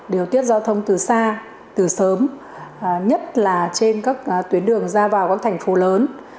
điều tiết giao thông từ xa từ sớm nhất là trên các tuyến đường ra vào các thành phố lớn